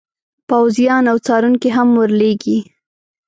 پوځیان او څارونکي هم ور لیږي.